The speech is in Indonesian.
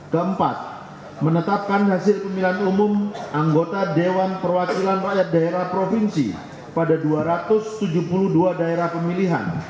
keempat menetapkan hasil pemilihan umum anggota dewan perwakilan rakyat daerah provinsi pada dua ratus tujuh puluh dua daerah pemilihan